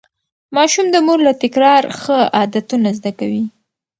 ماشوم د مور له تکرار ښه عادتونه زده کوي.